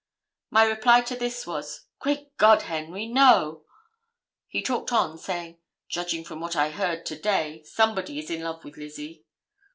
My reply to this was, 'Great God, Henry, no.' He talked on, saying, 'Judging from what I heard to day, somebody is in love with Lizzie.